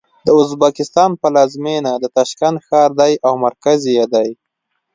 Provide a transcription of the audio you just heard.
د ازبکستان پلازمېنه د تاشکند ښار دی او مرکز یې دی.